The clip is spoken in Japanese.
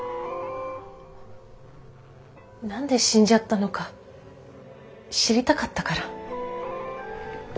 何で死んじゃったのか知りたかったから。